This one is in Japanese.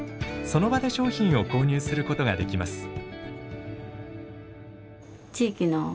その場で商品を購入することができます。